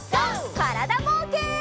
からだぼうけん。